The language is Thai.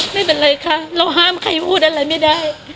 ไม่เป็นไรค่ะเราห้ามใครพูดอะไรไม่ได้